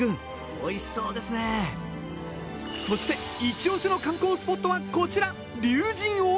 おいしそうですねそしていち押しの観光スポットはこちら！